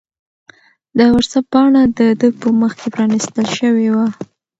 د وټس-اپ پاڼه د ده په مخ کې پرانستل شوې وه.